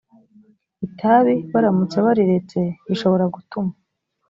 itabi baramutse bariretse bishobora gutuma